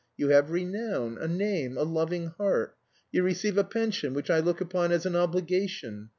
You have renown, a name, a loving heart. You receive a pension which I look upon as an obligation.